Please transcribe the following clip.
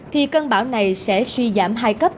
thì cân bão này sẽ suy giảm hai cấp